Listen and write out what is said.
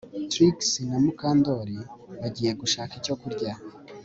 Trix na Mukandoli bagiye gushaka icyo kurya